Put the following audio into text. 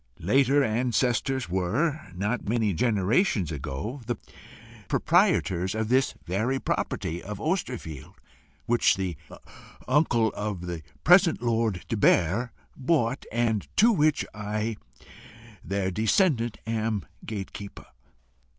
Later ancestors were, not many generations ago, the proprietors of this very property of Osterfield, which the uncle of the present Lord de Barre bought, and to which I, their descendant, am gate keeper.